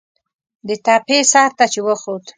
د تپې سر ته چې وخوت.